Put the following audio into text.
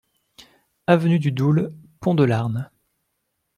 Avenue du Doul, Pont-de-Larn